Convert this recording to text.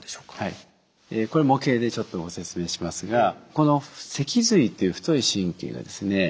これ模型でちょっとご説明しますがこの脊髄っていう太い神経がですね